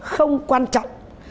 không quan trọng